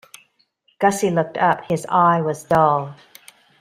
Gussie looked up. His eye was dull.